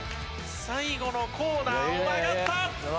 最後のコーナーを曲がった！